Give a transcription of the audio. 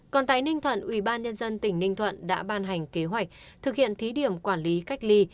còn tại ninh thuận ubnd tỉnh ninh thuận đã ban hành kế hoạch thực hiện thí điểm quản lý cách ly